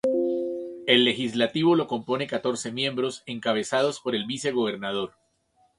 El legislativo lo compone catorce miembros, encabezados por el vice gobernador.